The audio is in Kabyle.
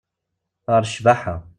Ɣer ccbaḥa.